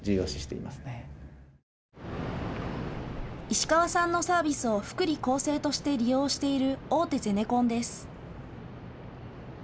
石川さんのサービスを福利厚生として利用している大手ゼネコンです。